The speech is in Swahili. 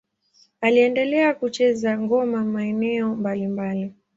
Aliendelea kucheza ngoma maeneo mbalimbali.